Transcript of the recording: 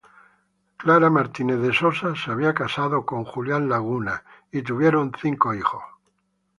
Julián Laguna se había casado con Clara Martínez de Sosa y tuvieron cinco hijos.